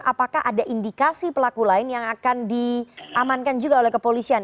apakah ada indikasi pelaku lain yang akan diamankan juga oleh kepolisian